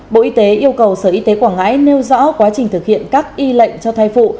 bộ y tế yêu cầu sở y tế quảng ngãi nêu rõ quá trình thực hiện các y lệnh cho thai phụ